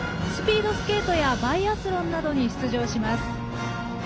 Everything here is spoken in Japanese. スピードスケートやバイアスロンなどに出場します。